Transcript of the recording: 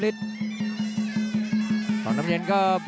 เสริมหักทิ้งลงไปครับรอบเย็นมากครับ